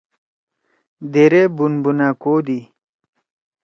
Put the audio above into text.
دیدے بُنبُنأ کودی۔